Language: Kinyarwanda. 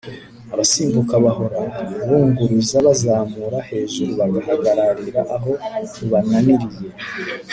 abasimbuka bahora bunguruza bazamura hejuru bagahagararira aho rubananiriye.